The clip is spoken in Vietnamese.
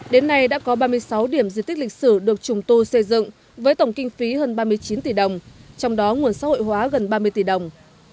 đến nay đã có ba mươi sáu điểm di tích lịch sử được trùng tu xây dựng với tổng kinh phí hơn ba mươi chín tỷ đồng trong đó nguồn xã hội hóa gần ba mươi tỷ đồng